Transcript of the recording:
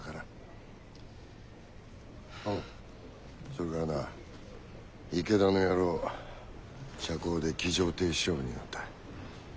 おうそれからな池田の野郎斜行で騎乗停止処分になった。